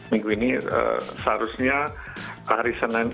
minggu ini seharusnya hari senin